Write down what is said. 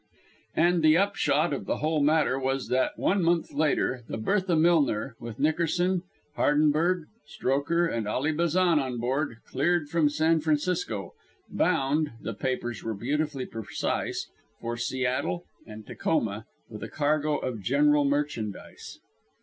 And the upshot of the whole matter was that one month later the Bertha Millner, with Nickerson, Hardenberg, Strokher and Ally Bazan on board, cleared from San Francisco, bound the papers were beautifully precise for Seattle and Tacoma with a cargo of general merchandise.